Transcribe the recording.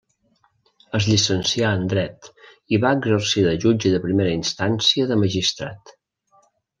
Es llicencià en dret i va exercir de jutge de primera instància de magistrat.